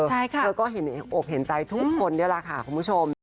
เธอก็เห็นอกเห็นใจทุกคนนี่แหละค่ะคุณผู้ชม